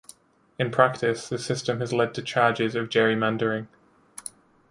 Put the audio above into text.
In practice, this system has led to charges of gerrymandering.